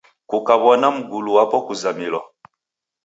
Kukaw'ona mgulu wapo kuzamilwa.